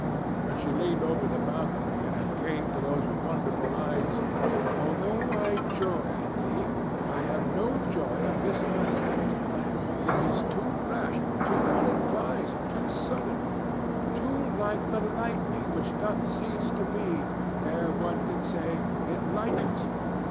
When she leaned over the balcony and came to those wonderful lines— Although I joy in thee, I have no joy of this contract to night: It is too rash, too unadvised, too sudden; Too like the lightning, which doth cease to be Ere one can say, "It lightens."